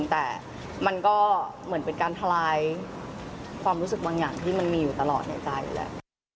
แต่มันก็เหมือนเป็นการทลายความรู้สึกบางอย่างที่มันมีอยู่ตลอดในใจอยู่แล้ว